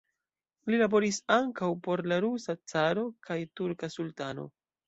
Li laboris ankaŭ por la rusa caro kaj turka sultano.